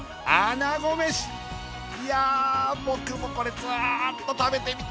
なごめしいや僕もこれずっと食べてみたいのよ！